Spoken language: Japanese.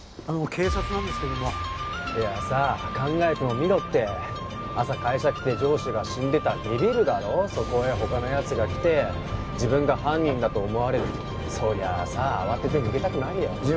あの警察なんですけどもいやさ考えてもみろって朝会社来て上司が死んでたらビビるだろそこへ他のやつが来て自分が犯人だと思われるそりゃあさ慌てて逃げたくなるよ